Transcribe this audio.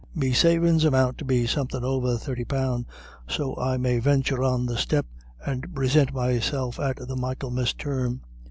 Me savin's amount to somethin' over thirty pound, so I may venture on the step, and prisint meself at the Michaelmas term.